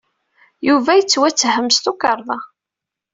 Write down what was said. Yuba yettwatthem s tukerḍa.